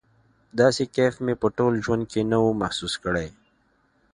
داسې کيف مې په ټول ژوند کښې نه و محسوس کړى.